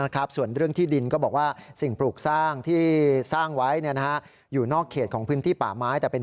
และออกขนาดการดนที่ห้อง